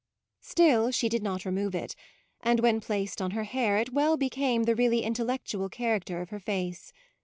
Still she did not remove it; and when placed on her hair it well became the really intellectual character of her face.